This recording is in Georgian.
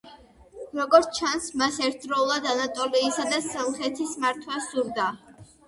როგორც ჩანს, მას ერთდროულად ანატოლიისა და სომხეთის მართვა სურდა.